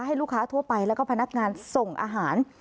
ให้ลูกค้าทั่วไปแล้วก็พนักงานส่งอาหาร